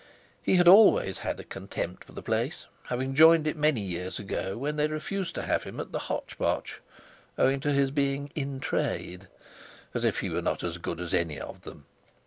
He had always had a contempt for the place, having joined it many years ago when they refused to have him at the "Hotch Potch" owing to his being "in trade." As if he were not as good as any of them!